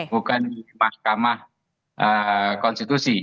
bukan di mahkamah konstitusi